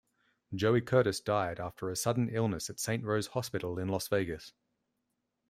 Joey Curtis died after a sudden illness at Saint Rose Hospital in Las Vegas.